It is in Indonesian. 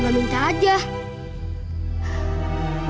atau juga hospital hujan